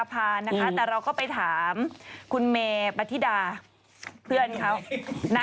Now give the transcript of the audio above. แต่เราก็ไปถามคุณเมย์ปฏิดาเพื่อนของนัก